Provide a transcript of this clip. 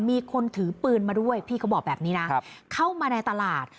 มีคนถือปืนมาด้วยพี่เขาบอกแบบนี้นะเข้ามาในตลาด